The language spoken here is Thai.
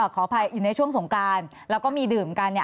ขออภัยอยู่ในช่วงสงกรานแล้วก็มีดื่มกัน